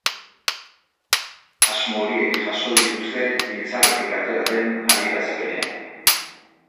Asmo horiek jaso dituzte biltzarretik atera den adierazpenean.